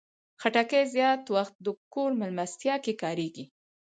خټکی زیات وخت د کور مېلمستیا کې کارېږي.